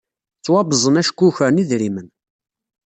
Ttwabẓen acku ukren idrimen.